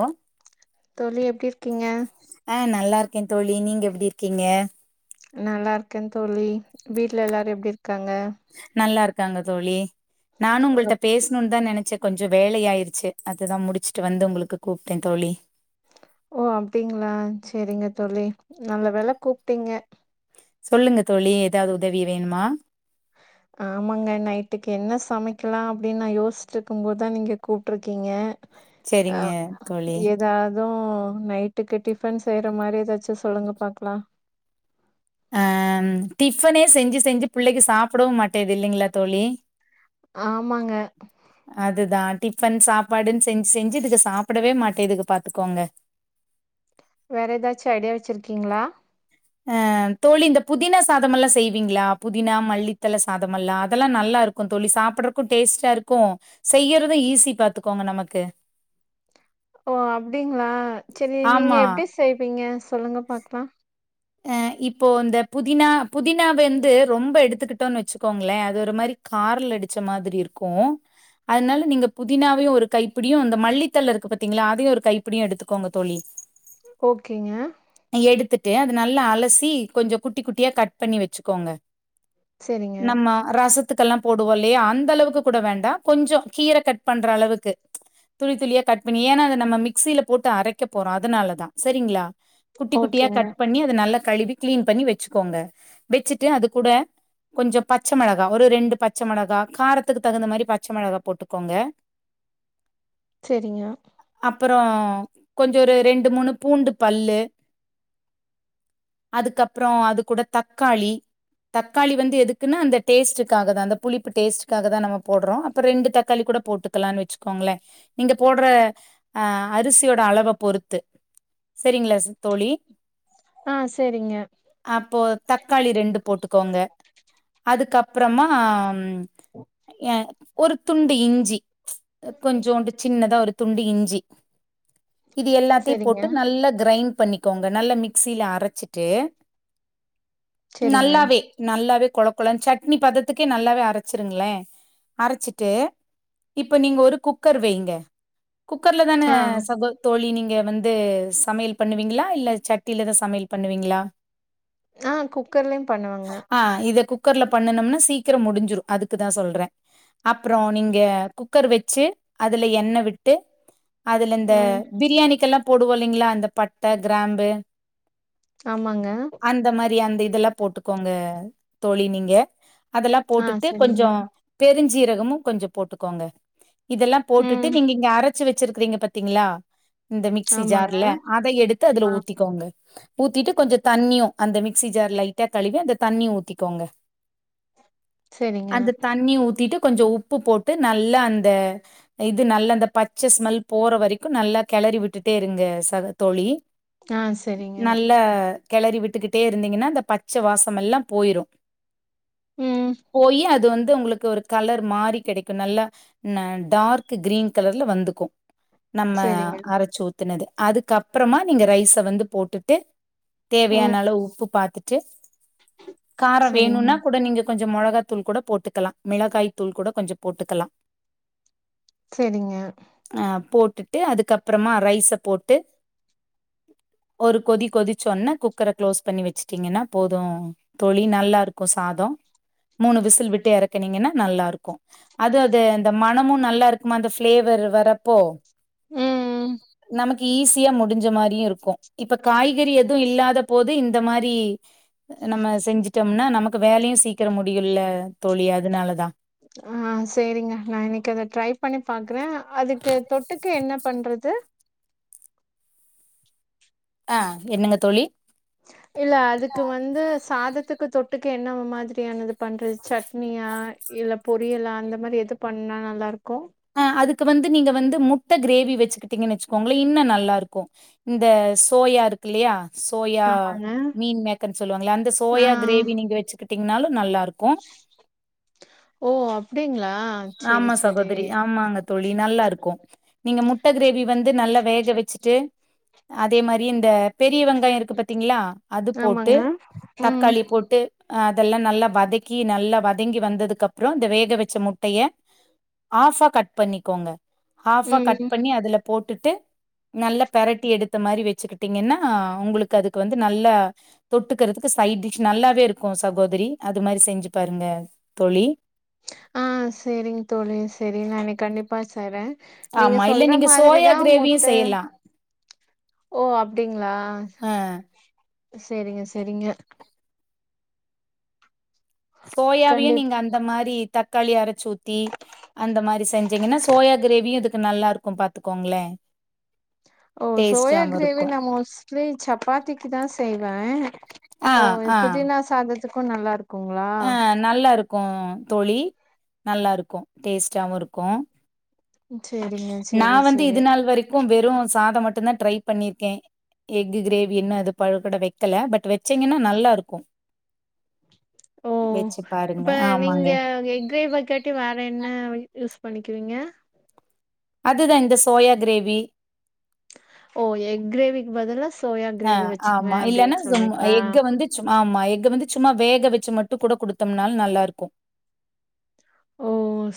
ஓ தோழி எப்டி இருக்கீங்க ஆ நல்லருக்க தோழி நீங்க எப்டி இருக்கீங்க நல்லா இருக்க தோழி வீட்டுல எல்லாரு எப்டி இருக்காங்க நல்லா இருக்காங்க தோழி நானு உங்கள்ட்ட பேசணும்னு தா நனச்ச கொஞ்சோ வேலையாயிருச்சு அதுதா முடுச்சுட்டு வந்து உங்களுக்கு கூப்ட்டே தோழி ஓ அப்டிங்களா சரிங்க தோழி நல்ல வேல கூப்ட்டீங்க சொல்லுங்க தோழி எதாவது உதவி வேணுமா [unintelligible] ஆமாங்க நைட்டுக்கு என்ன சமைக்கலா அப்படின் நா யோஸ்சிட்ருக்கும்போதா நீங்க கூப்ட்ருக்கீங்க செரிங்க தோழி ஏதாவது நைட்டுக்கு டிஃபன் செய்யற மாரி ஏதாச்சு சொல்லுங்க பாக்கலா அ டிஃபனே செஞ்சு செஞ்சு பிள்ளைக சாப்டவு மாட்டேது இல்லைங்களா தோழி ஆமாங்க அதுதா டிஃபன் சாப்பாடுன்னு செஞ்சு செஞ்சு இதுக சாப்டவே மாட்டேதுக பாத்துக்கோங்க வேற எதாச்சு ஐடியா வச்சுருக்கீங்களா அ தோழி இந்த புதினா சாதமல்லா செய்வீங்களா புதினா மல்லித்தள சாதமல்லா அதெல்லா நல்லாரு க்கு தோழி சாப்பட்றக்கு டேஸ்ட்டா இருக்கு செய்யறது ஈஸி பாத்துக்கோங்க நமக்கு ஓ அப்டிங்களா சரி நீங்க ஆமா எப்டி செய்வீங்க சொல்லுங்க பாக்லா அ இப்போ இந்த புதினா புதினா வெந்து ரொம்ப எடுத்துக்கிட்டோன் வச்சுக்கோங்களே அது ஒரு மாரி கார்ல அடுச்ச மாதிரி இருக்கு அதுனால நீங்க புதினாவையு ஒரு கைப்பிடியு இந்த மல்லித்தல இருக்கு பத்தீங்களா அதையு ஒரு கைப்பிடியு எடுத்துக்கோங்க தோழி ஓகேங்க எடுத்துட்டு அது நல்லா அலசி கொஞ்சோ குட்டி குட்டியா கட் பண்ணி வச்சுக்கோங்க செரிங்க நம்ம ரசத்துக்கல்லா போடுவோ இல்லையா அந்த அளவுக்கு கூட வேண்டா கொஞ்சோ கீர கட் பண்ற அளவுக்கு துளி துளியா கட் பண்ணி ஏனா அத நம்ம மிக்சில போட்டு அரைக்க போறோ அதுனாலதா சரிங்களா குட்டி குட்டியா ஓகேங்க கட் பண்ணி அத நல்லா கழுவி கிளீன் பண்ணி வச்சுக்கோங்க வச்சுட்டு அது கூட கொஞ்சோ பச்ச மெளகா ஒரு ரெண்டு பச்ச மெளகா காரத்துக்கு தகுந்த மாரி பச்ச மெளகா போட்டுக்கோங்க செரிங்க அப்பறோ கொஞ்சோ ஒரு ரெண்டு மூணு பூண்டு பல்லு அதுக்கப்பறோ அது கூட தக்காளி தக்காளி வந்து எதுக்குன்னா அந்த டேஸ்ட்டுக்காகதா அந்த புளிப்பு டேஸ்ட்டுக்காக தா நம்ம போடுறோ அப்ப ரெண்டு தக்காளி கூட போட்டு களான் வச்சுக்கோங்களே நீங்க போடுற அ அரிசியோட அளவ பொறுத்து செரிங்களா சிஸ் தோழி ஆ சேரிங்க அப்போ தக்காளி ரெண்டு போட்டுக்கோங்க அதுக்கப்றமா ஏ ஒரு துண்டு இஞ்சி கொஞ்சோண்டு சின்னதா ஒரு துண்டு இஞ்சி இது எல்லாத்தையு சரிங்க, போட்டு நல்லா கிரைண்ட் பண்ணி கோங்க நல்ல மிக்சில அரச்சுட்டு சரிங்க. நல்லாவே நல்லாவே கொல கொலன்னு சட்னி பதத்துக்கே நல்லாவே அரைச்சிருங்ளே அரச்சுட்டு இப்ப நீங்க ஒரு குக்கர் வைங்க குக்கர்ல தான ஆ, சகோ தோழி நீங்க வந்து சமையல் பண்ணுவீங்களா இல்ல சட் டிலதா சமையல் பண்ணுவீங்களா ஆ குக்கர்லயு பண்ணுவங்க ஆ இத குக் குக்கர்ல பண்ணுனம்னா சீக்கரோ முடுஞ்சுறு அதுக்குதா சொல்றே அப்பறோ நீங்க குக்கர் வச்சு அதுல எண்ண விட்டு அதுல இந்த ம். பிரியாணிக்கெல்லா போடுவோ இல்லைங்களா அந்த பட்ட கிராம்பு ஆமாங்க அந்த மாரி அந்த இதெல்லா போட்டுக்கோங்க தோழி நீங்க அதெல்லா ஆ போட்டுட்டு கொஞ்ச சரிங்க. பெருஞ்சீரகமு கொஞ்ச போட்டுக்கோங்க இதெல்லா போட்டுட்டு ம். நீங்க இங்க அரைச்சு வச்சிருக்கறீங்க பாத்தீங்ளா இந்த மிக்சி ஆமாங்க. ஜார்ல அத எடுத்து அதுல ஆ ஊத்திக்கோங்க ஊத்திட்டு கொஞ்ச தண்ணியு அந்த மிக்சி ஜார் லைட்டா கழுவி அந்த தண்ணியு ஊத்திக்கோங்க சரிங்க. அந்த தண்ணியு ஊத்திட்டு கொஞ்ச உப்பு போட்டு நல்லா அந்த இது நல்ல அந்த பச்ச ஸ்மெல் போற வரைக்கு நல்லா கெளறி விட்டுட்டே இருங்க ச தோழி ஆ சரிங்க. நல்ல கெளறி விட்டுக்கிட்டே இருந்தீங்கன்னா அந்த பச்ச வாசமெல்லா போய்ரு ம். போய் அது வந்து உங்களுக்கு ஒரு கலர் மாறி கெடைக்கு நல்லா டார்க் க்ரீன் கலர்ல வந்துக்கு நம்ம சரிங்க. அரைச்சு ஊத்துனது அதுக்கப்றமா நீங்க ரைஸ வந்து போட்டுட்டு ம். தேவையான அளவு உப்பு பாத்துட்டு கார சரிங்க, வேணும்னா கூட நீங்க கொஞ்ச மொளகா தூள் கூட போட்டுக்கலா மிளகாய் தூள் கூட கொஞ்ச போட்டுக்கலா செரிங்க அ போட்டுட்டு அதுக்கப்றமா ரைஸ போட்டு ஒரு கொதி கொதிச்சொன்னே குக்கர க்ளோஸ் பண்ணி வச்சுட்டீங்கன்னா போது தோழி நல்லா இருக்கு சாதோ மூணு விசில் விட்டு எறக்குனீங்கன்னா நல்லா இருக்கு அது அது அந்த மணமு நல்லா இருக்குமா அந்த ஃப்ளேவர் வரப்போ ம். நமக்கு ஈஸியா முடிஞ்ச மாரியு இருக்கு இப்ப காய்கறி எது இல்லாத போது இந்த மாரி நம்ம செஞ்சுட்டோம்னா நமக்கு வேலையு சீக்கிர முடியுல்ல தோழி அதனாலதா ஆ செரிங்க நா இன்னைக்கு அத ட்ரை பண்ணி பாக்குறே அதுக்கு தொட்டுக்க என்ன பண்றது ஆ என்னங்க தோழி இல்ல அதுக்கு வந்து சாதத்துக்கு தொட்டுக்க என்ன மாதிரியானது பண்றது சட்னியா இல்ல பொரியல அந்த மாரி எது பண்ணா நல்லாருக்கு அ அதுக்கு வந்து நீங்க வந்து முட்ட க்ரேவி வச்சுக்கிட்டீங்கன் வச்சுக்கோங்களேன் இன்னு நல்லார்க்கு இந்த சோயா இருக்கு இல்லையா சோயா ஆமாங்க. மீன் மேக்கன்னு சொல்லுவாங்கள அந்த சோயா ஆ. க்ரேவி நீங்க வச்சுக்கிட்டீங்கன்னாலு நல்லா இருக்கு ஓ அப்டிங்ளா ஆமா சகோதரி ஆமாங்க தோழி நல்லா இருக்கு நீங்க முட்ட க்ரேவி வந்து நல்லா வேக வச்சுட்டு அதே மாரி இந்த பெரிய வெங்காய இருக்கு பாத்தீங்ளா அது போட்டு ஆமாங்க ம் தக்காளி போட்டு அ அதெல்லா நல்லா வதக்கி நல்லா வதங்கி வந்ததுக்கு அப்ற இந்த வேக வச்ச முட் டய ஆஃப் ஆ கட் பண்ணிக்கோங்க ஹாஃப்பா கட் ம் பண்ணி அதுல போட்டுட்டு நல்ல பெரட்டி எடுத்த மாரி வச்சுக்கிட்டீங்கன்னா உங்களுக்கு அதுக்கு வந்து நல்ல தொட்டுக்கிறதுக்கு சைட்டிஷ் நல்லாவே இருக்கு சகோதரி அது மாரி செஞ்சு பாருங்க தோழி ஆ செரிங் தோழி செரி நா இன்னக்கு கண்டிப்பா செய்றே நீங்க ஆமா இல்ல சொல்ற நீங்க சோயா மாதிரிதா கிரேவியு முட்ட செய்யலா ஓ அப்டிங்ளா ஆ செரிங்க செரிங்க சோயாவியு கண்டிப் நீங்க அந்த மாரி தக்காளி அரைச்சு ஊத்தி அந்த மாரி செஞ்சீங்கன்னா சோயா க்ரேவியு இதுக்கு நல்லா இருக்கு பாத்துக்கோங்ளே ஓ சோயா க்ரேவி இருக்கு நா மோஸ்ட்லி சப்பாத்திக்குதா செய்வே ஆ ஓ ஆ புதினா சாதத்துக்கு நல்லா இருக்குங்ளா அ நல்லா இருக்கு தோழி நல்லா இருக்கு டேஸ்டாவு இருக்கு செரிங்க செரி செரி க்கு வெறு சாதம் மட்டுந்தா ட்ரை பண்ணிருக்கே எக்கு கிரேவி இன்னு அது பழகூட வைக்கல பட் வச்சீங்கன்னா நல்லாருக்கும் ஓ பாருங்க இப்ப நீங்க ஆமாங்க எக் ரே வக்காட் டு வேற என்ன யூஸ் பண்ணிக்வீங்க அதுதா இந்த சோயா கிரேவி ஓ எக் கிரேவிக்கு பதுல்ல சோயா ஆ கிரேவி வச்சுக்குவே ஆமா இல்லன்னா அப்டின்னு சொல்றீங்களா எக்க வந்து சும் ஆமா எக்கு வந்து சும்மா வேக வச்சு மட்டு கூட குடுத்தோம்னாலு நல்லாருக்கு ஓ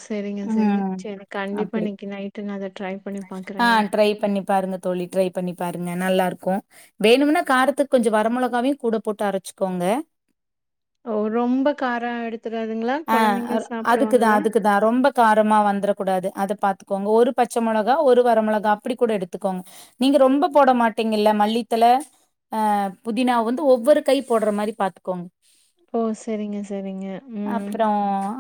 சரிங்க சரிங்க ம் சரி கண்டிப்பா அப்டி இன்னைக்கு நைட்டு நா அத ட்ரை பண்ணி ஆ பாக்குறேங்க ட்ரை பண்ணி பாருங்க தோழி ட்ரை பண்ணி பாருங்க நல்லாருக்கு வேணும்னா காரத்துக் கொஞ்சோ வர மொளகாவையும் கூட போட்டு அரச்சுக்கோங்க ஓ ரொம்ப காரோ எடுத்துக்காதுங்களா கொழந்தைங்க சாப்புடுவாங்ளா தா ரொம்ப காரமா வந்துரக் கூடாது அத பாத்துக்கோங்க ஒரு ப ச்ச மொளகா ஒரு வர மொளகா அப்டி கூட எடுத்துக்கோங்க நீங்க ரொம்ப போட மாட்டீங்கல்ல மல்லித்தழ ஆ புதினா வந்து ஒவ்வொரு கை போடுற மாரி பாத்துக்கோங்க ஓ சரிங்க சரிங்க ம் அப்றோ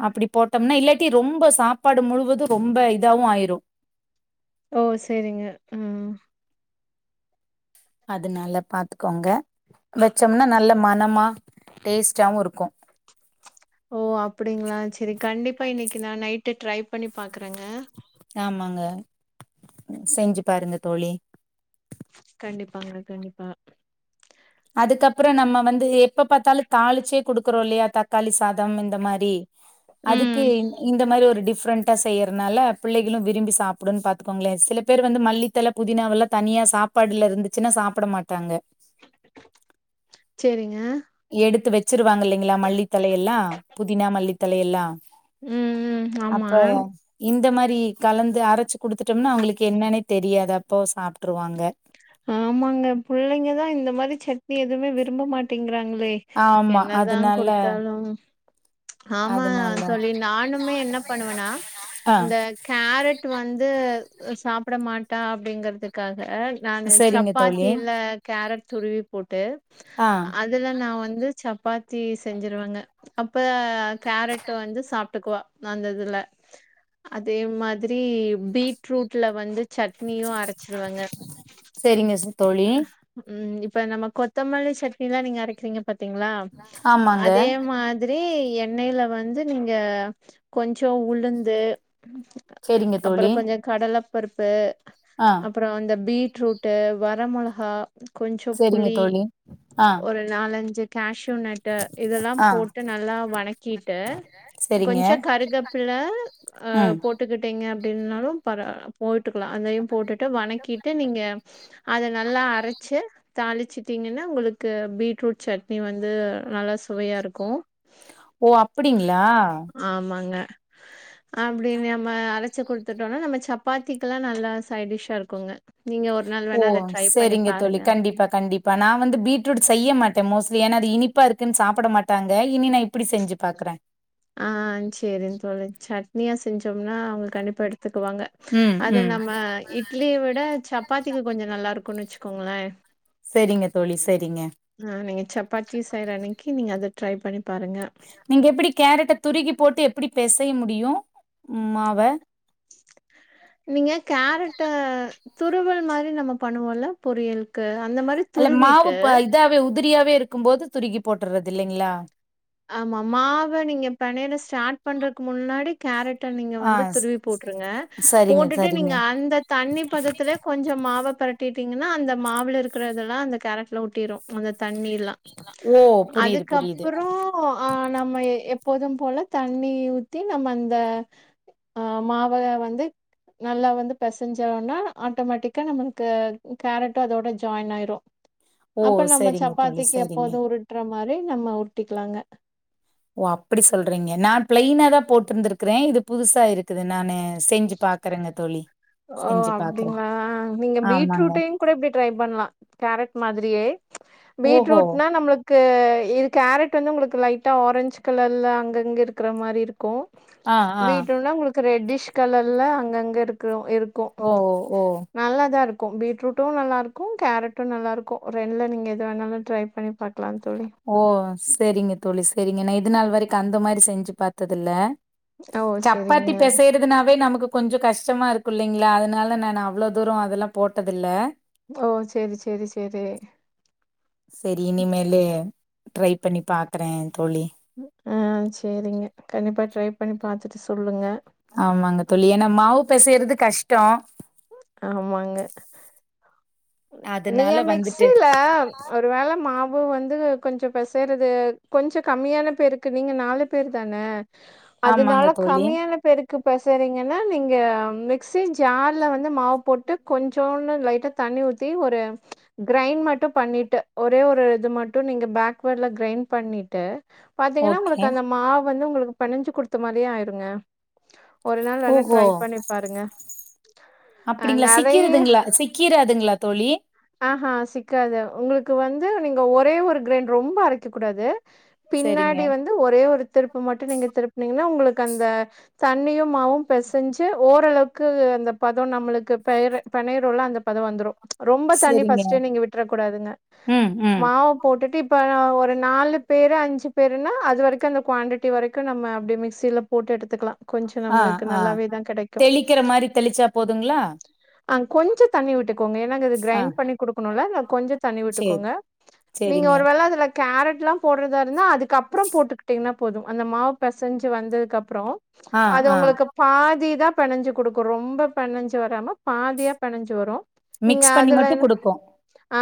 அப்டி போட்டோம்னா இல்லாட்டி ரொம்ப சாப்பாடு முழுவது ரொம்ப இதாவு ஆயிரு ஓ சரிங்க ம் அதுனால பாத்துக்கோங்க வச்சோம்னா நல்ல மனமா டேஸ்ட்டாவு இருக்கு ஓ அப்டிங்களா சரி கண்டிப்பா இன்னைக்கு நா நைட்டு ட்ரை பண்ணி பாக்குறேங்க ஆமாங்க செஞ்சு பாருங்க தோழி கண்டிப்பாங்க கண்டிப்பா அதுக்கப்பறோ நம்ம வந்து எப்ப பாத்தாலு தாளிச்சே குடுக்குறோ இல்லையா தக்காளி சாதம் இந்த மாரி அதுக்கு ம் இந் இந்த மாரி ஒரு டிஃப்ரெண்ட் டா செய்யறதுனால பிள்ளைகளு விரும்பி சாப்புடுன் பாத்துக்கோங்களே சில பேர் வந்து மல்லித்தழ புதினாவுலா தனியா சாப் பாடுல இருந்துச்சுன்னா சாப்ட மாட்டாங்க செரிங்க எடுத்து வச்சிருவாங்க இல்லைங்களா மல்லித்தழையலா புதினா மல்லித்தழையலா ம் ம் ஆமா அப்ப இந்த மாரி கலந்து அரைச்சு குடுத்துட்டோம்னா அவங்களுக்கு என்னன்னே தெரியாது அப்போ சாப்ட்டுருவாங்க ஆமாங்க புள்ளைங்கதா இந்த மாரி சட்னி எதுவுமே விரும்ப மாட்டேங்கிறாங் ளே ஆமா என்னதா அதனால குடுத்தாலு ஆமா அதனால தோழி நானுமே என்ன பண்ணுவன்னா ஆ இந்த கேரட் வந்து சாப்ட மாட்டா அப்டிங்கிறதுக்காக நானு சரிங்க தோழி சப்பாத்தில கேரட் துருவி போட்டு ஆ அ துல நா வந்து சப்பாத்தி செஞ்சிருவங்க அப்ப கேரட் வந்து சாப் ட்டுக்குவா அந்த இதுல அதே மாதிரி பீட்ரூட்ல வந்து சட்னியு அரைச்சிருவங்க சரிங்க சா ம் இப்ப நம்ம கொத்தமல்லி சட்னிலா நீங்க அரைக்கிறீங்க பாத்தீங்களா ஆமாங்க அதே மா திரி எண்ணைல வந்து நீங்க கொஞ்சோ உளுந்து செரிங்க அப்பற தோழி கொஞ்சொ கடலப்பருப்பு ஆ அப்புற அந்த பீட்ரூட்டு வர மிளகா கொஞ்சோ செரிங்க புளி தோழி ஆ ஒரு நாலஞ்சு கேஷ்யூ நட்டு இதெல்லா ஆ போட்டு நல்லா வணக்கிட்டு செரிங்க கொஞ்ச கருகப்புல்ல அ ம் போட் போட்டுக்கிட்டிங்க அப்டின்னாலு பர போட்டுக்கலா அதையு போட்டுட்டு வணக்கிட்டு நீங்க அத நல்லா அரச்சு தாளிச்சுட்டீங்கன்னா உங்களுக்கு பீட்ரூட் சட்னி வந்து நல்லா சுவையா இருக்கு ஓ அப்டிங்களா ஆமாங்க அப்டி நம்ம அரச்சு குடுத்துட்டோனா நம்ம சப்பாத்திக்கு எல்லா நல்லா சைடிஷ்ஷா இருக்குங்க நீங்க ஒரு நாள் வேணா அத ட்ரை பண்ணி சேரிங்க தோழி பாருங்க கண் ண்டிப்பா கண்டிப்பா நா வந்து பீட்ரூட் செய்ய மாட்டே மோஸ்ட்லி ஏ அது இனிப்பா இருக்குன்னு சாப்பிட மாட்டாங்க இனி ந இப்டி செஞ்சு பாக்குறே ஆ சேரிங் தோழி சட்னியா செஞ்சோம்னா அவுங்க கண்டிப்பா எடுத்துக்குவாங்க ம் அது ம் நம்ம இட்லிய விட சப்பாத்திக்கு கொஞ்ச நல்லா இருக்கும்ன்னு வச்சுக்கோங்களே சேரிங்க தோழி சேரிங்க ஆ நீங்க சப்பாத்தி செய்ற அன்னைக்கு நீங்க அத ட்ரை பண்ணி பாருங்க நீங்க எப்டி கேரட்ட துருகி போட்டு எப்படி பெசைய முடியு மாவ நீங்க கேரட்ட துருவல் மாரி நம்ம பண்ணுவோல பொரியல் க்கு அந்த மா அல்ல மாவு ப இதாவே உதிரியாவே இருக்கும் போது துருகி போட்றது இல்லைங்களா ஆமா மாவ நீங்க பெணய ஸ்டார்ட் பண்றக்கு முன்னாடி கேரட்ட நீங்க ஆ வந்து ஸ் துருவி போட்டுருங்க சரிங்க போட்டுட்டு சரிங்க நீங்க அந்த தண்ணி பதத்துலே கொஞ்ச மாவ பெரட்டிட்டிங்கன்னா அந்த மாவுல இருக்கிறதெல்லா அந்த கேரட்டில ஒட்டிரு அந்த தண்ணில்லா ஓ புரியுது புரியுது அதுக்கப்புற ஆ நம்ம எப்போதும் போல தண்ணி ஊத்தி நம்ம அந்த அ மாவ வந்து நல்லா வந்து பெசஞ்சோன ஆட்டோமேட்டிக்கா நம்மளுக்கு கேரட்டு அதோட ஜாயின் ஆயிரு ஓ அப்ப நம்ம சரிங்க தோழி சப்பாத்திக்கு சரிங்க எப்போது உருட்டுற மாரி நம்ம உருட்டிக்கலாங்க ஓ அப்டி சொல்றீங்க நா பிளைனா தா போட்டிருந்திருக்கறே இது புதுசா இருக்குது நானு செஞ்சு பாக்குறேங்க தோழி ஓ செஞ்சு பாக்குறே அப்டிங்களா நீங்க ஆமாங்க பீட்ரூட்டையு கூட இப்டி ட்ரை பண்லா கேரட் மாதிரியே ஓஹோ பீட்ரூட்னா நம்மளு க்கு இது கேரட் வந்து உங்களுக்கு லைட்டா ஆரஞ்ச் கலர்ல அங்க அங்க இருக்கிற மாரி இருக்கு ஆ ஆ பீட்ரூட்னா உங்களுக்கு ரெட்டிஷ் கலர்ல அங்கங்க இருக்கற இரு ஓ ஓ நல்லா தா இருக்கு பீட்ரூட்டு நல்லாயிருக்கு கேரட்டு நல்லாயிருக்கு ரெண்டில நீங்க எத வேணாலு ட்ரை பண்ணி பாக் க்லா தோழி ஓ சேரிங்க தோழி சேரிங்க நா இது நாள் வரைக்கு அந்த மாரி செஞ்சு பாத்ததில்ல ஓ! சரிங்க. சப்பாத்தி பெசையறதுனாவே நமக்கு கொஞ்சோ கஷ்டமா இருக்கு இல்லைங்களா அதனால நானு அவ்ளோ தூரம் அதெல்லா போட்டதில்ல ஓ சேரி சேரி சேரி சேரி இனிமேலு ட்ரை பண்ணி பாக்குறே தோழி ஆ சேரிங்க கண்டிப்பா ட்ரை பண்ணி பாத்துட்டு சொல்லுங்க ஆமாங்க தோழி ஏனா மாவு பெசையறது கஷ்டோ ஆமாங்க நீங்க அதனால வந்துட்டு மிக்சில ஒரு வேள மாவு வந்து கொஞ்சம் பெசையிறது கொஞ்சம் கம்மியான பேருக்கு நீங்க நாலு பேர் தான அதனால ஆமாங்க தோழி கம்மியான பேருக்கு பெசையிறீங்கன்னா நீங்க மிக்சி ஜார்ல வந் ந்து மாவு போட்டு கொஞ்சோண்டு லைட்டா தண்ணி ஊத்தி ஒரு கிரைண்ட் மட்டும் பண்ணிட்டு ஒரே ஒரு இது மட்டும் நீங்க பேக்வேர்டுல் கிரைண்ட் பண்ணிட்டு பாத்தீங்கன்னா ஓகே உங்களுக்கு அந்த மாவு வந்து உங்களுக்கு பெனஞ்சு குடுத்த மாரியே ஆயிருங்க ஒரு நாள் வேனா ஓஹோ ட்ரை பண்ணி பாருங்க அ அப்படிங்களா நெறைய சிக்கதுங்களா சிக்கிராதுங்களா தோழி ஆ ஹா சிக்காது உங்களுக்கு வந்து நீங்க ஒரே ஒரு கிரைண்ட் ரொம்ப அரைக்க கூடாது சரிங்க பின்னாடி வந்து ஒரே ஒரு திருப்பு மட்டும் நீங்க திருப்புனீங்கன்னா உங்களுக்கு அந்த தண்ணியும் மாவும் பெசஞ்சு ஓரளவுக்கு அந்த பதம் நம்மளுக்கு பெர் பெனையிரோல அந்த பதம் வந்துரும் ரொம்ப தண்ணி சரிங்க ஃபர்ஸ்ட்டே நீங்க விட்டுர கூடாதுங்க ம் ம் மாவு போட்டுட்டு இப்ப ஒரு நாலு பேரு அஞ்சு பேருனா அது வரைக்கும் அந்த குவாண்டிட்டி வரைக்கும் நம்ம அப்டி மிக்சியில போட்டு எடுத்துக்கலாம் கொஞ்சோ ஆ நம்மளுக்கு ஆ நல்லாவே தா கிடைக்கும் தெளிக்கிற மாரி தெளிச்சா போதுங்களா ஆ கொஞ்ச தண்ணி விட்டுக்கோங்க ஏன்னா இங்க இது ஆ கிரைண்ட் பண்ணி குடுக்கணும்ல அதா கொஞ்சம் தண்ணி சேரி விட்டுக்கோங்க நீங்க சேரிங்க ஒரு வேள அதுல கேரட்ல்லா போடுறதா இருந்தா அதுக்கப்புறம் போட்டுக்கிட்டீங்கன்னா போதும் அந்த மாவு பெசைஞ்சு வந்ததுக்குப்புறம் ஆ அது ஆ உங்களுக்கு பாதி தான் பெணைஞ்சு குடுக்கும் ரொம்ப பெனஞ்சு வராம பாதியா பெனஞ்சு வரும் நீங்க மிக்ஸ் பண்ணி அதுல மட்டும் குடுக்கும் ஆ